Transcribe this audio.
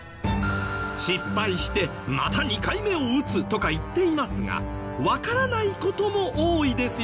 失敗してまた２回目を打つとか言っていますがわからない事も多いですよね。